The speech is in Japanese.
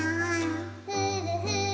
「ふるふる」